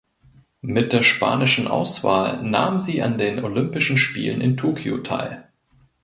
Mit der spanischen Auswahl nahm sie an den Olympischen Spielen in Tokio teil.